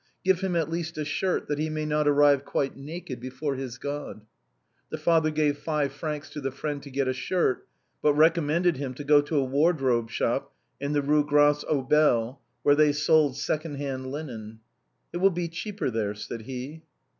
Give him at least a shirt, that he may not arrive quite naked before his God." The father gave five francs to the friend to get a shirt, but recommended him to go to a wardrobe shop in the Rue Grange aux Belles, where they sold second hand linen, " It will be cheaper there," said he.